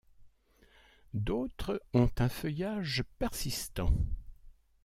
D'autres ont un feuillage persistant.